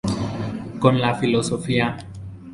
Con la Filosofía.